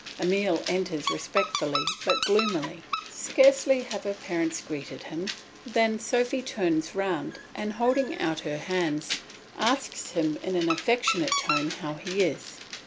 Emile enters respectfully but gloomily. Scarcely have her parents greeted him than Sophy turns round and holding out her hand asks him in an affectionate tone how he is.